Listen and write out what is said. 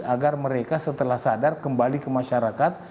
agar mereka setelah sadar kembali ke masyarakat